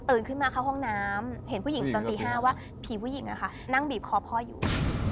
ขึ้นมาเข้าห้องน้ำเห็นผู้หญิงตอนตี๕ว่าผีผู้หญิงนั่งบีบคอพ่ออยู่